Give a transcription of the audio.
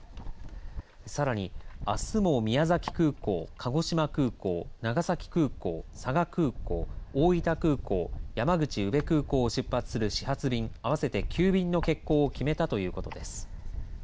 さらにあすも宮崎空港、鹿児島空港、長崎空港、佐賀空港、大分空港、山口宇部空港を出発する始発便合わせて９便の欠航を決めたということです。